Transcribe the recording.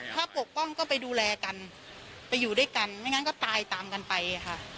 ถ้าปกป้องก็ไปดูแลกันไปอยู่ด้วยกันไม่งั้นก็ตายตามกันไปค่ะ